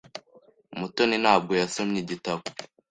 Mutoni ntabwo yasomye igitabo.